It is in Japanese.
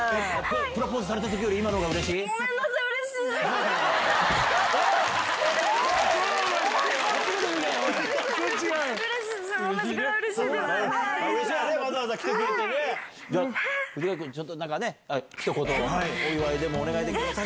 プロポーズされたときより今ごめんなさい、うれしいです。